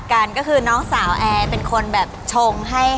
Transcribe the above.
มาแต่งงานกับหนู